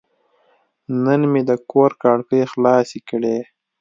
نن مې د کور کړکۍ خلاصې کړې.